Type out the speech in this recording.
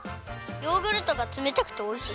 ヨーグルトがつめたくておいしい。